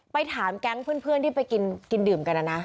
ไปถามแก๊งเพื่อนที่ไปกินดื่มกันนะนะ